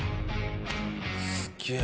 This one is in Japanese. すげえ。